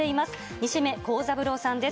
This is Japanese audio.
西銘恒三郎さんです。